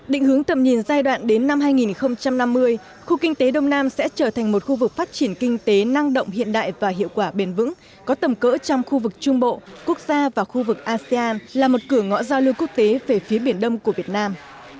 định hướng tầm nhìn giai đoạn đến năm hai nghìn năm mươi khu kinh tế đông nam sẽ trở thành một khu vực phát triển kinh tế năng động hiện đại và hiệu quả bền vững có tầm cỡ trong khu vực trung bộ quốc gia và khu vực asean là một cửa ngõ giao lưu quốc tế về phía biển đông của việt nam